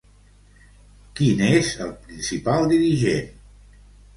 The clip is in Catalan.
Qui n'és el principal dirigent?